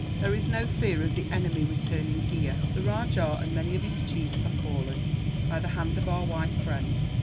There is no fear of the enemy returning here. The rajah and many of his chiefs have fallen, by the hand of our white friend.